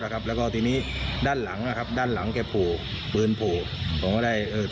แล้วก็ทีนี้ด้านหลังเนี่ยครับได้ก็พูดปืนเดิน